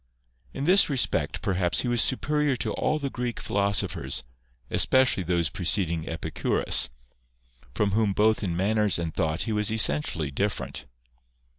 In this respect, perhaps, he was superior to all the Greek philo sophers, especially those preceding Epicurus, from whom both in manners and thought he was essentially different.